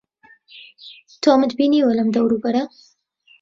تۆمت بینیوە لەم دەوروبەرە؟